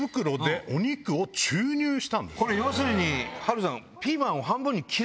要するに波瑠さん。